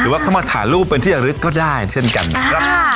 หรือว่าเข้ามาสาลูกเป็นที่อรึกก็ได้เช่นกันอ่า